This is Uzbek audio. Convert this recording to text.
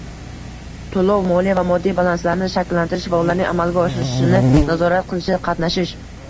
to`lov, moliya va moddiy balanslarni shakllantirish va ularning amalga oshirilishini nazorat qilishda qatnashish;